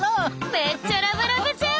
めっちゃラブラブじゃん。